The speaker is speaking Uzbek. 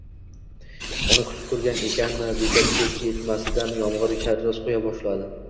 Uni kutib turgan ekanmi, bekatga etmasidan yomg`ir sharros quya boshladi